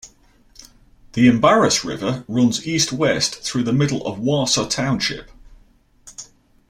The Embarrass River runs east-west through the middle of Waasa Township.